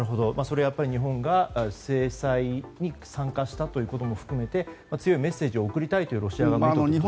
それは日本が制裁に参加したということも含めて強いメッセージを送りたいというロシア側の意図ですか。